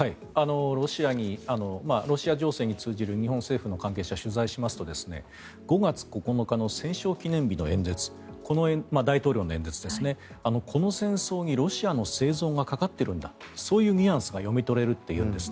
ロシア情勢に通じる日本政府関係者を取材しますと５月９日の戦勝記念日の演説この大統領の演説ですねこの戦争にロシアの生存がかかっているんだそういうニュアンスが読み取れるというんです。